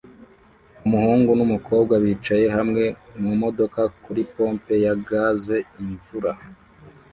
Umuhungu numukobwa bicaye hamwe mumodoka kuri pompe ya gaze imvura